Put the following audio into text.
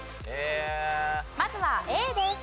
まずはＡです。